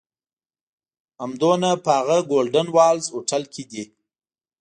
همدومره په هغه "ګولډن والز" هوټل کې دي.